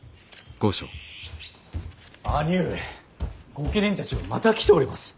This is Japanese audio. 御家人たちがまた来ております。